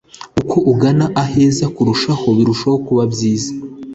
ni uko ugana aheza kurushaho, birushaho kuba byiza